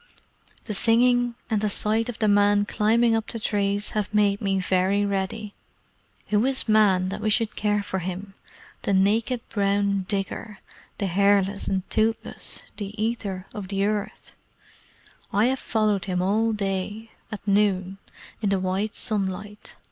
The singing and the sight of the men climbing up the trees have made me very ready. Who is Man that we should care for him the naked brown digger, the hairless and toothless, the eater of earth? I have followed him all day at noon in the white sunlight.